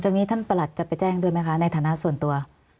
นี้ท่านประหลัดจะไปแจ้งด้วยไหมคะในฐานะส่วนตัว